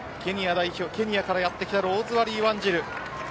ケニアからやってきたローズマリー・ワンジル。